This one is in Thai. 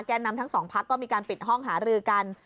นำทั้งสองพักก็มีการปิดห้องหารือกัน